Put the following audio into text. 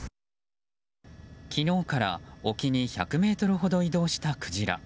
昨日から沖に１００ｍほど移動したクジラ。